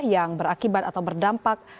yang berakibat atau berdampak